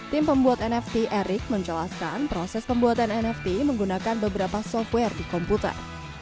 tim pembuat nft erick menjelaskan proses pembuatan nft menggunakan beberapa software di komputer